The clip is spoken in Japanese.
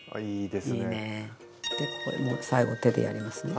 でここでもう最後手でやりますね。